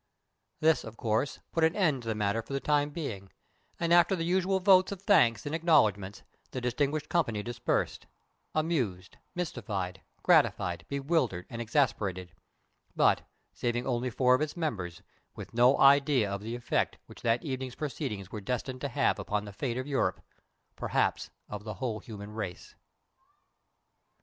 This, of course, put an end to the matter for the time being, and, after the usual votes of thanks and acknowledgments, the distinguished company dispersed amused, mystified, gratified, bewildered, and exasperated: but, saving only four of its members, with no idea of the effect which that evening's proceedings were destined to have upon the fate of Europe, perhaps of the whole human race.